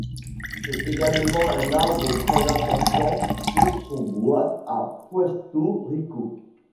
C'est également un arbre très important pour son bois à Puerto Rico.